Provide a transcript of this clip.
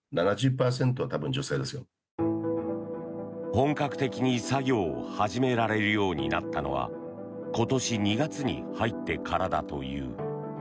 本格的に作業を始められるようになったのは今年２月に入ってからだという。